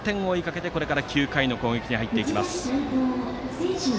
社高校、３点を追いかけてこれから９回の攻撃に入ります。